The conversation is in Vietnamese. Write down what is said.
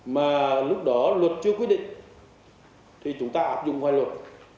mà lúc đó luật chưa quyết định thì chúng ta áp dụng ngoài luật